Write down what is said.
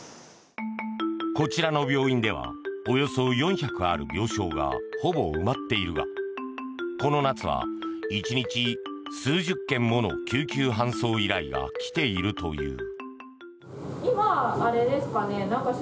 こちらの病院ではおよそ４００ある病床がほぼ埋まっているがこの夏は、１日数十件もの救急搬送依頼が来ているという。